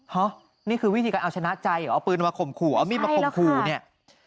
ฮะนี่คือวิธีการเอาชนะใจเอาปืนมาข่มขู่เอามีดมาข่มขู่เนี่ย